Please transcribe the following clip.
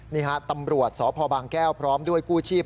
นี่ฮะตำรวจสพบางแก้วพร้อมด้วยกู้ชีพ